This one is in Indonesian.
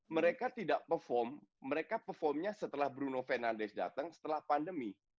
mereka tidak perform mereka performnya setelah bruno fernandes datang setelah pandemi